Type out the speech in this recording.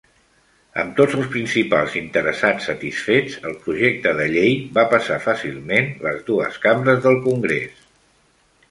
Amb tots els principals interessats satisfets, el projecte de llei va passar fàcilment les dues cambres del Congrés.